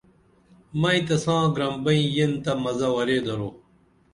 مئی تساں گرم بئیں یینتہ مزہ ورے درو